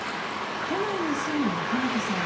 都内に住む仲本さん